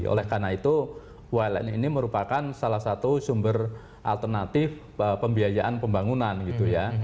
oleh karena itu uln ini merupakan salah satu sumber alternatif pembiayaan pembangunan gitu ya